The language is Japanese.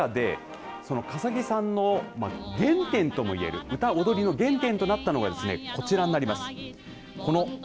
その中で笠置さんの原点とも言える歌、踊りの原点となったのがこちらになります。